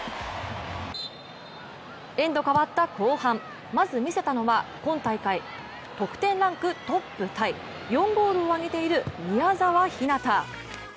エンド変わった後半、まず見せたのは得点ランクトップタイ、４ゴールを挙げている宮澤ひなた。